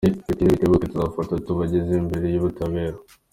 Bitinde bitebuke, tuzabafata tubageze imbere y’ubutabera.